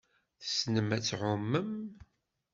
Tessnem ad tɛummem?